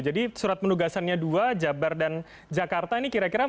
jadi surat penugasannya dua jabar dan jakarta ini kira kira apa